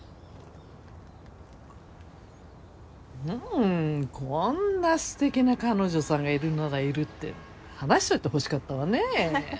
んこんなすてきな彼女さんがいるならいるって話しといてほしかったわねぇ。